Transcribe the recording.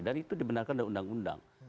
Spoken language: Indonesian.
dan itu dibenarkan dalam undang undang